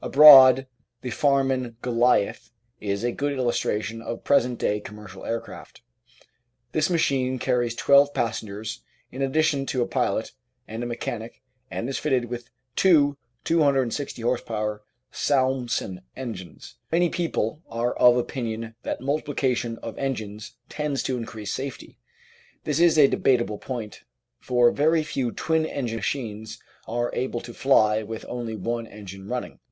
Abroad, the Farman "Goliath" is a good illustration of present day commercial aircraft. This machine carries twelve passengers in addition to a pilot and a mechanic and is fitted with two 260 h.p. Salmson engines. Many people are of opinion 850 The Outline of Science that multiplication of engines tends to increase safety. This is a debatable point, for very few twin engine machines are able to fly with only one engine running.